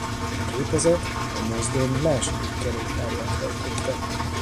A gépezet a mozdony második kerékpárját hajtotta.